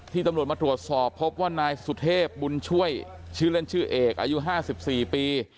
ตำรวจมาตรวจสอบพบว่านายสุเทพบุญช่วยชื่อเล่นชื่อเอกอายุ๕๔ปี